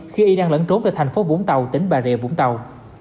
khi y đang lẫn trốn tại thành phố vũng tàu tỉnh bà rịa vũng tàu